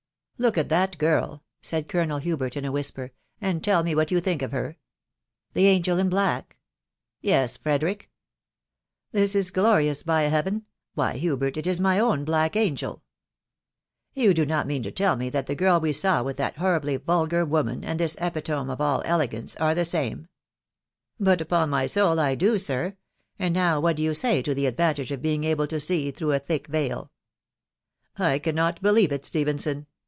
" Look at that girl," said Colonel Hubert in a whisper, €* *nd tell me what you think of her ? n Tbe angel in black?" *c cc Yes , Fredericfe." " This is* glorious, by Heatfan 1 « M «*, Wkyr Hubert, it ia my own black angel !" u You do nob meaa to teflbncthftt the g&Lw* saw with the* horribly vulgar woman* ai*fctJai»e$a4eme of attt&Ugancej are tl>e. same?'* " But* upon my soul, I d&> sir. •. Aad now what do yp* say to the advantage of being able to see through & tbkkrvtal ?."" I cannot believe it, Stephenson